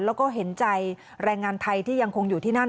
แล้วก็เห็นใจแรงงานไทยที่ยังคงอยู่ที่นั่น